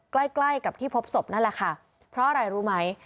ใกล้ใกล้กับที่พบศพนั่นแหละค่ะเพราะอะไรรู้ไหม